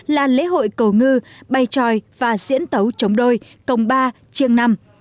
là lễ hội cầu ngư bay tròi và diễn tấu chống đôi công ba chiêng năm